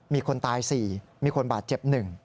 มีคนตาย๔มีคนบาดเจ็บ๑